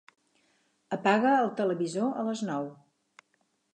Apaga el televisor a les nou.